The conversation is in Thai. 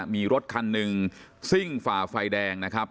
มีรถคันหนึ่งซิ่งฝ่าไฟแดงนะครับ